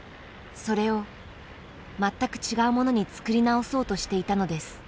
それを全く違うものに作り直そうとしていたのです。